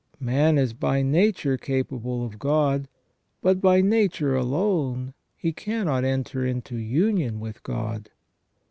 Man is by nature capable of God, but by nature alone he cannot enter into union with God.